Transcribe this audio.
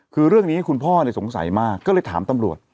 คือเรื่องนี้คุณพ่อสงสัยมากก็เลยถามตำรวจ